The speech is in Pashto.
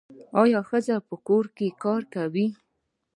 آیا ښځې په کورونو کې کار کوي؟